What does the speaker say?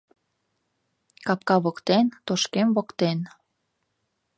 Капка воктен, тошкем воктен